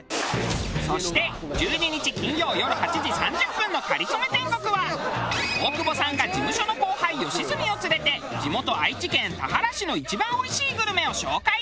そして１２日金曜よる８時３０分の『かりそめ天国』は大久保さんが事務所の後輩吉住を連れて地元愛知県田原市の一番おいしいグルメを紹介。